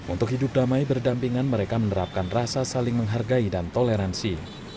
untuk hidup damai berdampingan mereka menerapkan rasa saling menghargai dan toleransi